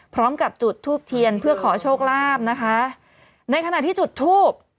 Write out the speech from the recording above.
พร้อมกับจุดทูบเทียนเพื่อขอโชคลาภนะคะในขณะที่จุดทูบ